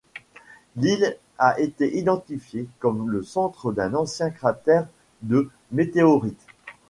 L'île a été identifiée comme le centre d'un ancien cratère de météorite.